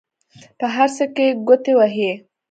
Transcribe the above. په هر څه کې ګوتې وهي.